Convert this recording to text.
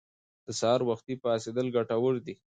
د سهار وختي پاڅیدل ګټور دي.